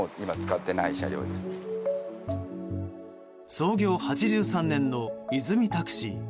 創業８３年のいづみタクシー。